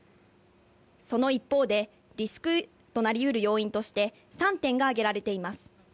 その一方でリスクとなりうる要因として３点が挙げられています。